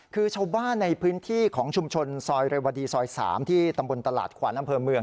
คือชาวบ้านในพื้นที่ของชุมชนซอยเรวดีซอย๓ที่ตำบลตลาดขวานอำเภอเมือง